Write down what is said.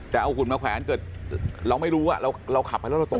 แต่เอาหุ่นมาแขวนเกิดเราไม่รู้ว่าเราขับไปแล้วเราตก